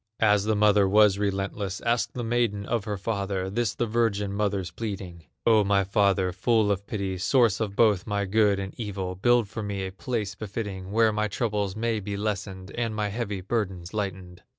As the mother was relentless, Asked the maiden of her father, This the virgin mother's pleading: "O my father, full of pity, Source of both my good and evil, Build for me a place befitting, Where my troubles may be lessened, And my heavy burdens lightened."